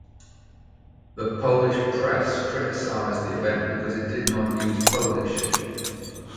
The Polish press criticized the event because it did not use Polish.